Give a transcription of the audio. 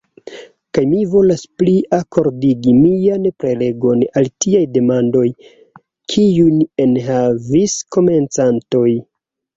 Kaj mi volas pli akordigi mian prelegon al tiaj demandoj, kiujn enhavis komencantoj.